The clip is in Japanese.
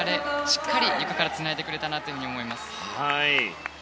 しっかりゆかからつないでくれたなと思います。